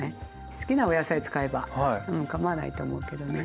好きなお野菜使えばかまわないと思うけどね。